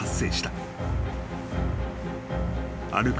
［歩く